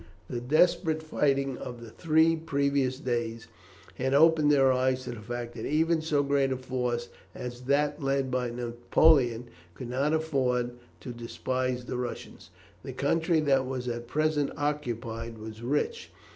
The desperate fighting of the three previous days had opened their eyes to the fact that even so great a force as that led by Napoleon could not afford to despise the Russians. The country that was at present occupied was rich.